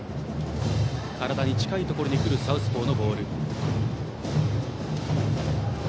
体に近いところにくるサウスポーのボール。